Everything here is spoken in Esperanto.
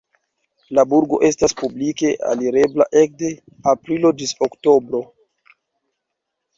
La burgo estas publike alirebla ekde aprilo ĝis oktobro.